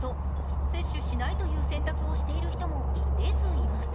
接種しないという選択をしている人も一定数います。